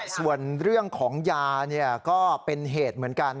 ส่วนเรื่องของยาก็เป็นเหตุเหมือนกัน